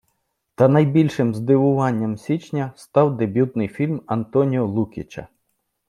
Та найбільшим здивуванням січня став дебютний фільм Антоніо Лукіча.